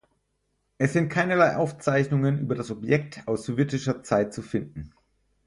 Es sind keinerlei Aufzeichnungen über das Objekt aus sowjetischer Zeit zu finden.